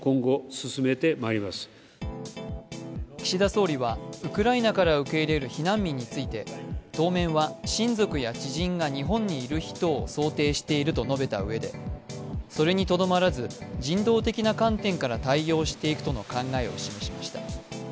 岸田総理はウクライナから受け入れる避難民について当面は親族や知人が日本にいる人を想定していると述べたうえで、それにとどまらず、人道的な観点から対応していくとの考えを示しました。